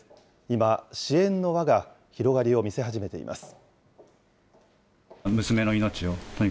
今、支援の輪が広がりを見せ始めています。